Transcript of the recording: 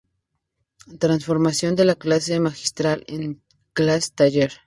Transformación de la clase magistral en clase taller.